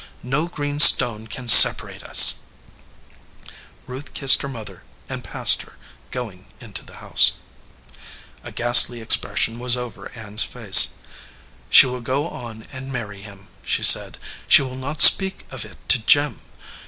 No green stone can separate us." 271 EDGEWATER PEOPLE Ruth kissed her mother and passed her, going into the house. A ghastly expression was over Ann s face. "She will go on and marry him," she said. "She will not speak of it to Jim.